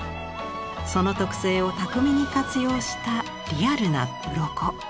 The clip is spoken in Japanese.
その特性を巧みに活用したリアルなうろこ。